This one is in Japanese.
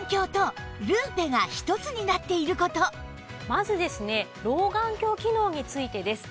まずですね老眼鏡機能についてです。